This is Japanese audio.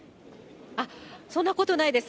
そんなことないです。